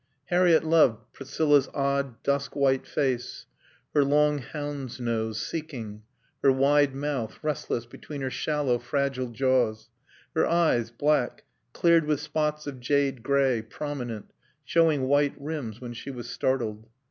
Harriett loved Priscilla's odd, dusk white face; her long hound's nose, seeking; her wide mouth, restless between her shallow, fragile jaws; her eyes, black, cleared with spots of jade gray, prominent, showing white rims when she was startled.